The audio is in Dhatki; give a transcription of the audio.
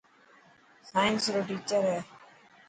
سائنس رو ٽيچر هي.